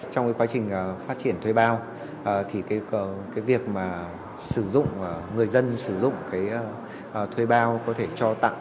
trong quá trình phát triển thuê bao người dân sử dụng thuê bao có thể cho tặng